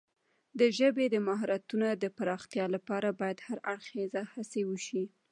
د ژبې د مهارتونو د پراختیا لپاره باید هر اړخیزه هڅې وشي.